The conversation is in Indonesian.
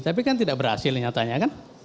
tapi kan tidak berhasil nyatanya kan